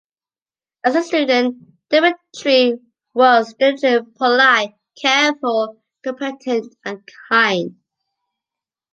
As a student, Dmitrij was diligent, polite, careful, competent and kind.